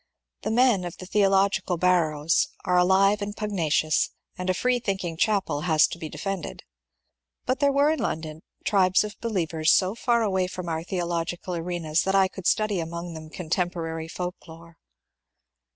The men of the theological barrows are alive and pugnacious, and a f reethinking chapel has to be defended. But there were in London tribes of believers so far away from our theological arenas that I could study among them con temporary folk lore.